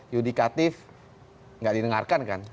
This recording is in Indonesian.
judikatif tidak didengarkan kan